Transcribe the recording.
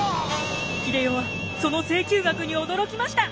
英世はその請求額に驚きました！